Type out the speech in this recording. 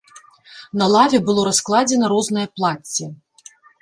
На лаве было раскладзена рознае плацце.